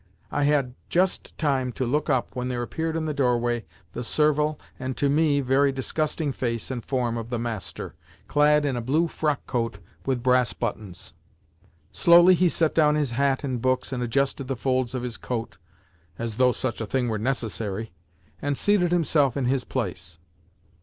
I had just time to look up when there appeared in the doorway the servile and (to me) very disgusting face and form of the master, clad in a blue frockcoat with brass buttons. Slowly he set down his hat and books and adjusted the folds of his coat (as though such a thing were necessary!), and seated himself in his place.